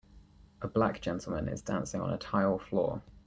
A black gentleman is dancing on a tile floor.